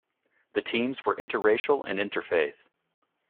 The teams were interracial and interfaith.